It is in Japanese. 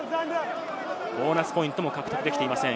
ボーナスポイントも獲得できていません。